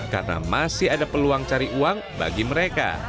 karena masih ada peluang cari uang bagi mereka